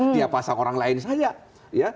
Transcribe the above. dia pasang orang lain saja